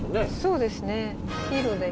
そうですね